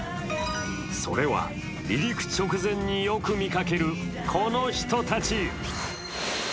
それは、離陸直前によく見かけるこの人たち。